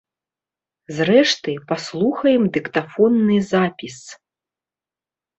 Зрэшты, паслухаем дыктафонны запіс.